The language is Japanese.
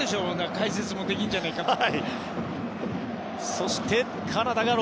解説もできるんじゃないかって。